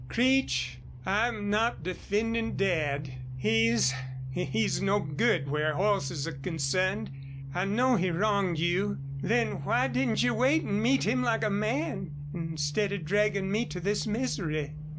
"Creech, I'm not defending Dad. He's he's no good where horses are concerned. I know he wronged you. Then why didn't you wait and meet him like a man instead of dragging me to this misery?"